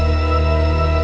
mereka harus juga